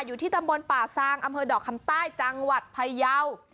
อยู่ที่ตำบลป่าซางอำเภอดอกคำใต้จังหวัดพยาว